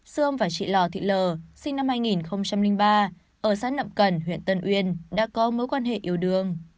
sương và chị lò thị lờ sinh năm hai nghìn ba ở xã nậm cần huyện tân uyên đã có mối quan hệ yêu đương